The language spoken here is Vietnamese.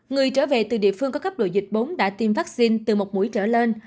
người trở về từ địa phương có cấp độ dịch bốn đã tiêm vaccine từ một mũi trở lên